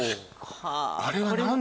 あれは何だろう？